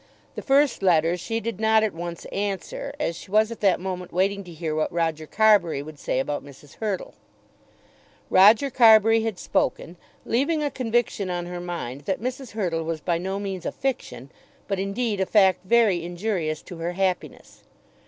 The first letter she did not at once answer, as she was at that moment waiting to hear what Roger Carbury would say about Mrs. Hurtle. Roger Carbury had spoken, leaving a conviction on her mind that Mrs. Hurtle was by no means a fiction, but indeed a fact very injurious to her happiness.